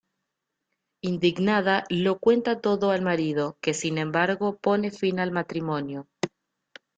Indignada, lo cuenta todo al marido, que sin embargo, pone fin al matrimonio.